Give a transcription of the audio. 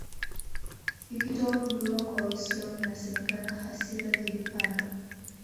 ikitoa huduma kwa Uislam inasemekana hasira zilipanda